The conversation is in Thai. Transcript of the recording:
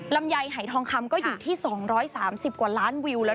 ลำไยหายทองคำก็อยู่ที่๒๓๐กว่าล้านวิวแล้ว